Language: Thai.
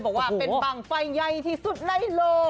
บอกว่าเป็นบ้างไฟใหญ่ที่สุดในโลก